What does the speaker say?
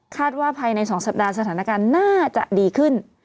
ว่าภายใน๒สัปดาห์สถานการณ์น่าจะดีขึ้น